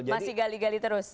masih gali gali terus